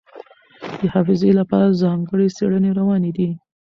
د حافظې لپاره ځانګړې څېړنې روانې دي.